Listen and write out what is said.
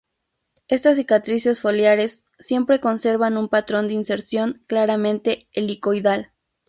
Estas cicatrices foliares siempre conservan un patrón de inserción claramente helicoidal.